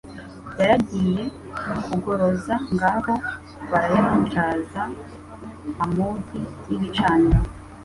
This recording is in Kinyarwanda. Yaragiye kugoroza Ngaho barayatyaza amugi y'ibicaniro,